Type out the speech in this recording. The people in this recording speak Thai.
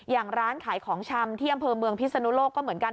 อย่างร้านขายของชำที่อำเภอเมืองพิศนุโลกก็เหมือนกัน